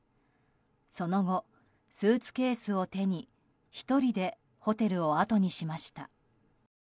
その後、スーツケースを手に１人でホテルをあとにしました。